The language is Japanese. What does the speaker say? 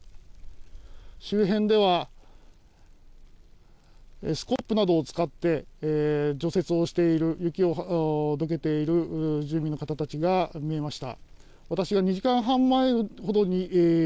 周辺ではスコップなどを使って除雪をしている、雪をどけている住民たちが見えました。